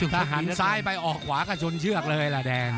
ถ้าหันซ้ายไปออกขวาก็ชนเชือกเลยล่ะแดง